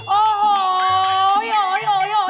โอ้โห